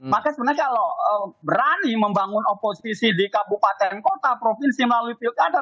maka sebenarnya kalau berani membangun oposisi di kabupaten kota provinsi melalui pilkada